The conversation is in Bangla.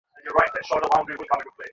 কাল বিকেলে এসো।